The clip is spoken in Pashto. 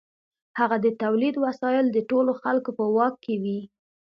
هلته د تولید وسایل د ټولو خلکو په واک کې وي.